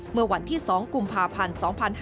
เมื่อวันที่๒กุมภาพันธ์๒๕๕๙